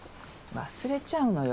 忘れちゃうのよ